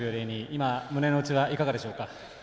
今、胸の内はいかがでしょうか？